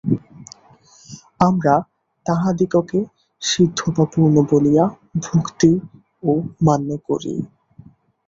আমরা তাঁহাদিগকে সিদ্ধ বা পূর্ণ বলিয়া ভক্তি ও মান্য করি।